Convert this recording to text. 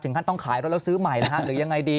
ท่านต้องขายรถแล้วซื้อใหม่นะฮะหรือยังไงดี